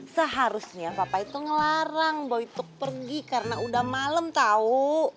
seharusnya papa itu ngelarang boy untuk pergi karena udah malam tau